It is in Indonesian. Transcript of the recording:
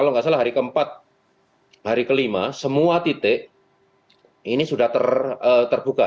dan sampai hari keempat hari kelima semua titik ini sudah terbuka